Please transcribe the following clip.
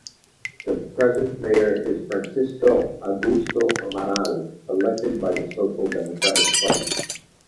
The present Mayor is Francisco Augusto Amaral, elected by the Social Democratic Party.